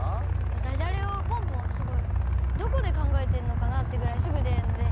ダジャレをポンポンすごいどこで考えてるのかなってぐらいすぐ出るのでお。